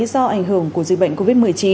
do ảnh hưởng của dịch bệnh covid một mươi chín